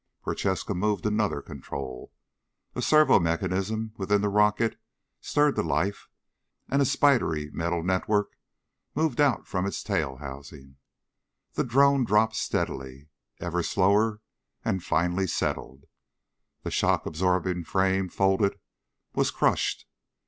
Prochaska moved another control. A servo mechanism within the rocket stirred to life and a spidery metal network moved out from its tail housing. The drone dropped steadily, ever slower, and finally settled. The shock absorbing frame folded, was crushed.